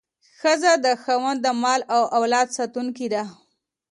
ښځه د خاوند د مال او اولاد ساتونکې ده.